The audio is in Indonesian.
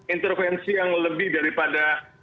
intervensi yang lebih daripada